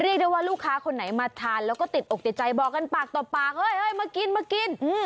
เรียกได้ว่าลูกค้าคนไหนมาทานแล้วก็ติดอกติดใจบอกกันปากต่อปากเฮ้ยมากินมากิน